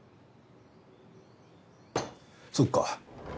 そっか。